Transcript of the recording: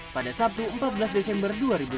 pada sabtu empat belas desember dua ribu sembilan belas